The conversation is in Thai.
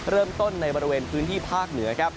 เริ่มต้นในบริเวณพื้นที่ภาคเหนือครับ